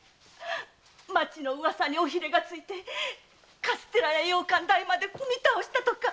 町の噂は尾ひれがついてカステラや羊かん代まで踏み倒したとか。